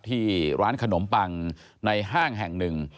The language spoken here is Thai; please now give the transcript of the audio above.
ที่ร้านขนมปังในห้างแห่งหนึ่ง